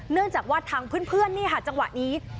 เนื่องจากว่าทางเพื่อนนี่ค่ะจังหวะนี้